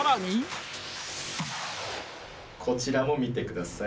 こちらも見てください